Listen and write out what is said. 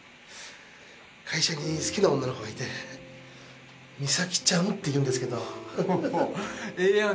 会社に好きな女の子がいてミサキちゃんっていうんですけどほほうええやん